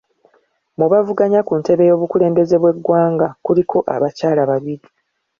Mu bavuganya ku ntebe y'obukulembeze bw'eggwanga kuliko abakyala babiri.